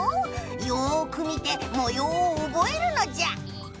よく見てもようをおぼえるのじゃ。